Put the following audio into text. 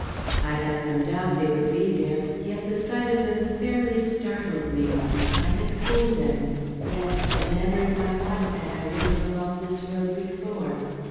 I had no doubt they would be there, yet the sight of them fairly startled me. I had seen them yes, but never in my life had I ridden along this road before.